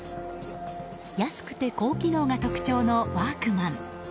安くて高機能が特徴のワークマン。